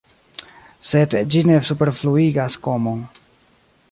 Sed ĝi ne superfluigas komon.